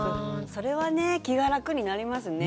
それはね気が楽になりますね。